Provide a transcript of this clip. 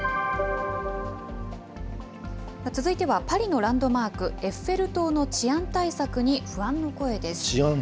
続いては、パリのランドマーク、エッフェル塔の治安対策に不安の声です。